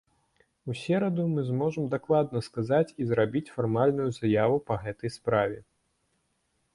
У сераду мы зможам дакладна сказаць і зрабіць фармальную заяву па гэтай справе.